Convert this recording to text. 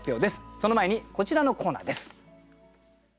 その前にこちらのコーナーです。